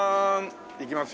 行きますよ。